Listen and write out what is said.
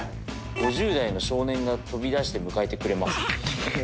「５０代の少年が飛び出して迎えてくれます」。